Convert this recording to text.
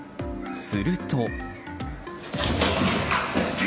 すると。